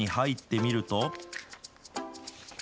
中に入ってみると。